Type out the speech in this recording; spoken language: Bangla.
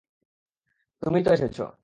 তুমি তো এসেছ।